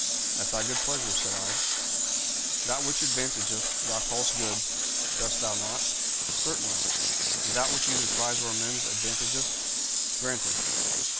'At thy good pleasure,' said I. 'That which advantageth thou callest good, dost thou not?' 'Certainly.' 'And that which either tries or amends advantageth?' 'Granted.'